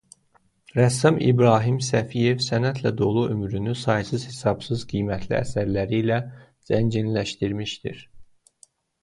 Rəssam İbrahim Səfiyev sənətlə dolu ömrünü saysız hesabsız qiymətli əsərləri ilə zənginləşdirmişdir.